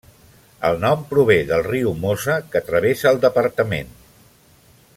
El nom prové del riu Mosa que travessa el departament.